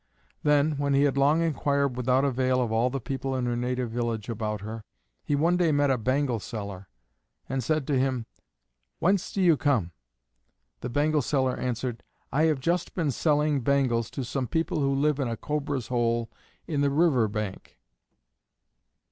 Then, when he had long inquired without avail of all the people in her native village about her, he one day met a bangle seller and said to him, "Whence do you come?" The bangle seller answered, "I have just been selling bangles to some people who live in a Cobra's hole in the river bank."